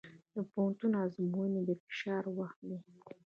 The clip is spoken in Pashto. د پوهنتون ازموینې د فشار وخت دی.